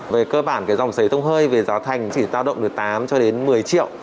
về cơ bản dòng xấy tông hơi về giá thành chỉ ta động được tám một mươi triệu